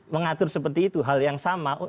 mengatur seperti itu hal yang sama